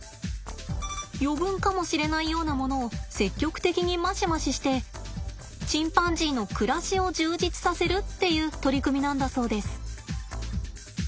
余分かもしれないようなものを積極的にマシマシしてチンパンジーの暮らしを充実させるっていう取り組みなんだそうです。